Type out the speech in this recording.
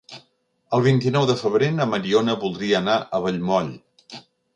El vint-i-nou de febrer na Mariona voldria anar a Vallmoll.